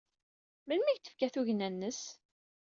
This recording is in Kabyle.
Melmi ay ak-d-tefka tugna-nnes?